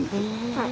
はい。